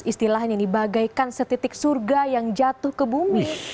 istilahnya ini bagaikan setitik surga yang jatuh ke bumi